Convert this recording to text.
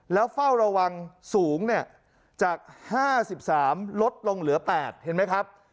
แล้วเฝ้าระวังสูงจาก๕๓ลดลงเหลือ๘เห็นไหมครับ